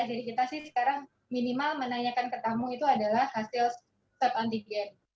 jadi kita sih sekarang minimal menanyakan ke tamu itu adalah hasil swab antigen